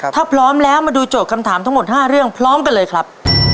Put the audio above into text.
ถ้าพร้อมแล้วมาดูโจทย์คำถามทั้งหมด๕เรื่องพร้อมกันเลยครับ